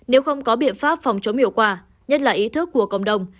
nếu không có biện pháp phòng chống hiệu quả nhất là ý thức của cộng đồng